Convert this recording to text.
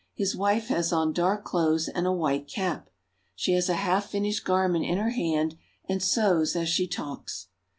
His wife has on dark clothes and a white cap. She has a half finished garment in her hand, and sews as she talks.